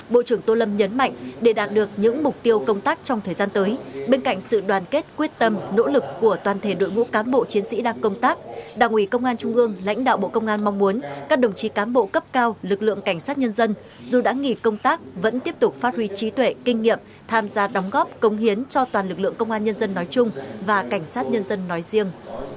bộ trưởng tô lâm nhấn mạnh để đạt được những mục tiêu công tác trong thời gian tới bên cạnh sự đoàn kết quyết tâm nỗ lực của toàn thể đội ngũ cán bộ chiến sĩ đang công tác đảng ủy công an trung ương lãnh đạo bộ công an mong muốn các đồng chí cán bộ cấp cao lực lượng cảnh sát nhân dân dù đã nghỉ công tác vẫn tiếp tục phát huy trí tuệ kinh nghiệm tham gia đóng góp công hiến cho toàn lực lượng công an nhân dân nói chung và cảnh sát nhân dân nói riêng